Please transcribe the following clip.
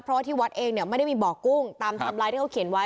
เพราะว่าที่วัดเองเนี่ยไม่ได้มีบ่อกุ้งตามไทม์ไลน์ที่เขาเขียนไว้